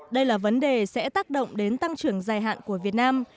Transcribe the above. đây là vấn đề sẽ tác động đến tăng trưởng dài hạn của việt nam